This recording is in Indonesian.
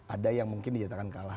ada yang mungkin dinyatakan kalah